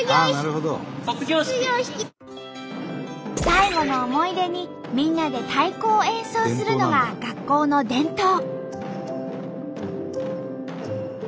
最後の思い出にみんなで太鼓を演奏するのが学校の伝統。